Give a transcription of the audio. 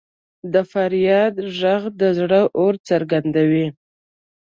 د فریاد ږغ د زړه اور څرګندوي.